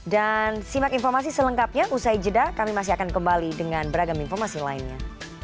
dan simak informasi selengkapnya usai jeda kami masih akan kembali dengan beragam informasi lainnya